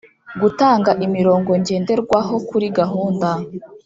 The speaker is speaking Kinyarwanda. gutanga imirongo ngenderwaho kuri gahunda